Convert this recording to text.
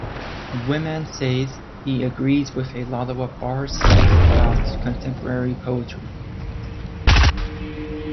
Wiman says he agrees with a lot of what Barr says about contemporary poetry.